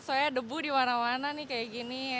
soalnya debu di mana mana nih kayak gini